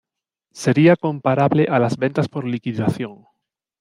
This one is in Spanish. Sería comparable a las ventas por liquidación.